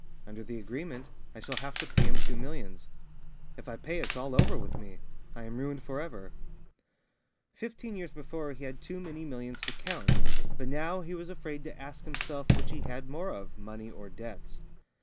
Under the agreement, I shall have to pay him two millions. If I pay, it's all over with me. I am ruined for ever ..." Fifteen years before he had too many millions to count, but now he was afraid to ask himself which he had more of, money or debts.